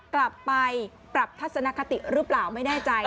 กลับไปปรับทัศนคติหรือเปล่าไม่แน่ใจ